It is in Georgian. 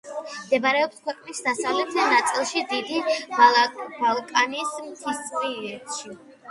მდებარეობს ქვეყნის დასავლეთ ნაწილში დიდი ბალკანის მთისწინეთში.